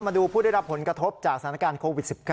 มาดูผู้ได้รับผลกระทบจากสถานการณ์โควิด๑๙